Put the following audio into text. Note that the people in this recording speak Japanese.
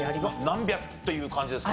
何百という感じですか？